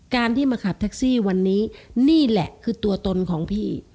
การที่มาขับแท็กซี่วันนี้นี่แหละคือตัวตนของพี่